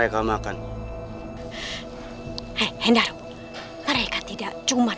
jawab dinda naungulan